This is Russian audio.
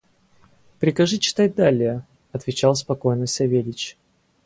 – Прикажи читать далее, – отвечал спокойно Савельич.